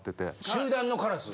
集団のカラス。